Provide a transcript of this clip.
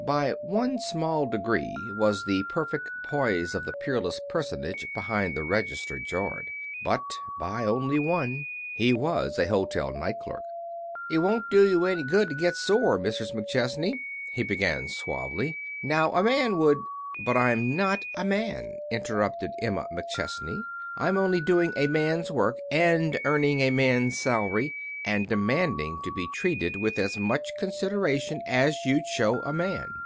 By one small degree was the perfect poise of the peerless personage behind the register jarred. But by only one. He was a hotel night clerk. "It won't do you any good to get sore, Mrs. McChesney," he began, suavely. "Now a man would " "But I'm not a man," interrupted Emma McChesney. "I'm only doing a man's work and earning a man's salary and demanding to be treated with as much consideration as you'd show a man."